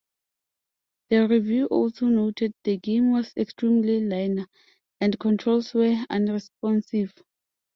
The review also noted the game was extremely linear, and controls were unresponsive.